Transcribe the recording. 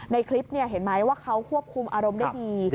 ในคลิปเห็นไหมว่าเขาควบคุมอารมณ์ได้ดี